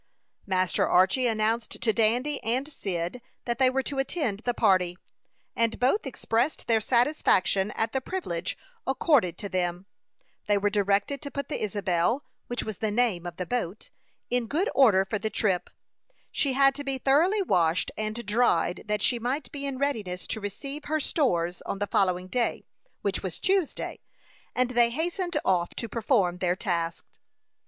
Master Archy announced to Dandy and Cyd that they were to attend the party, and both expressed their satisfaction at the privilege accorded to them. They were directed to put the Isabel, which was the name of the boat, in good order for the trip. She had to be thoroughly washed and dried that she might be in readiness to receive her stores on the following day, which was Tuesday, and they hastened off to perform their task.